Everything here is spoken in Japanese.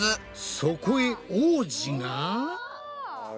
そこへ王子が。